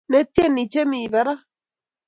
Ne tieni che mi barak.